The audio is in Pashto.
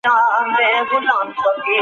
د وسلو ګرځول محدود سوي وو.